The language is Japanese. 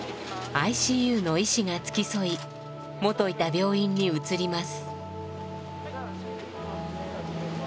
ＩＣＵの医師が付き添い元いた病院に移ります。